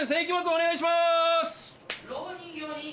お願いします！